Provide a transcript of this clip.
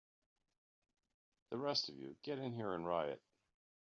The rest of you get in here and riot!